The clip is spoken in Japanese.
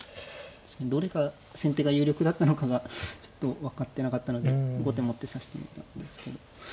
どれが先手が有力だったのかがちょっと分かってなかったので後手持って指していたんですけど。